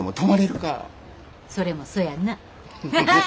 それもそやな。